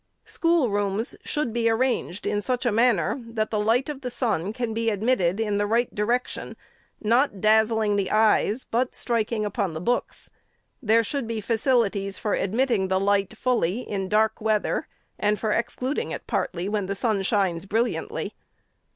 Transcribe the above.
Schoolrooms should be arranged in such a manner, that the light of the sun can be admitted in the right direction — not dazzling the eyes, but striking unon the books : there should be facilities for admit ting the light fullv in dark weather, and for excluding it partly when the sun shines brilliantly.